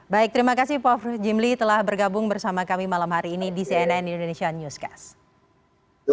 baik terima kasih prof jimli telah bergabung bersama kami malam hari ini di cnn indonesia newscast